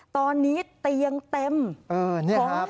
ตอนนี้เตียงเต็มของให้กลับอ่อน